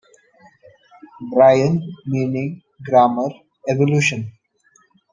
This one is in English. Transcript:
Brain, Meaning, Grammar, Evolution.